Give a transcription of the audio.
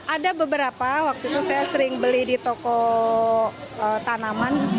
ada beberapa waktu itu saya sering beli di toko tanaman